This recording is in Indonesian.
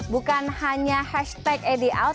bukan hanya hashtag edi out